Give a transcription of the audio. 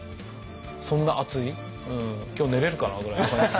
そんな熱い今日寝れるかな？ぐらいの感じです。